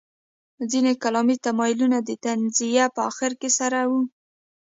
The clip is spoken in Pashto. ځینې کلامي تمایلونه د تنزیه په اخر سر کې وو.